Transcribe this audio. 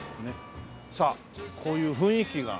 さあこういう雰囲気が。